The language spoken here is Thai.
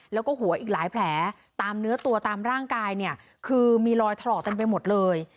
แล้วก็หัวอีกหลายแผลตามเนื้อตัวตามร่างกายเนี่ยคือมีรอยถลอกเต็มไปหมดเลย